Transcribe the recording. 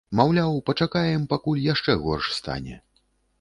Маўляў, пачакаем, пакуль яшчэ горш стане.